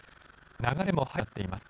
流れも速くなっています。